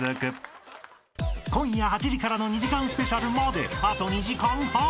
［今夜８時からの２時間ＳＰまであと２時間半］